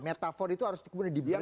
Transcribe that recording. metafor itu harus dibuat